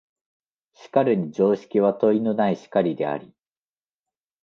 しかるに常識は問いのない然りであり、